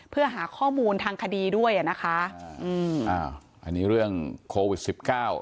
เพื่อหาข้อมูลทางคดีด้วยอ่ะนะคะอืมอ่าอันนี้เรื่องโควิดสิบเก้า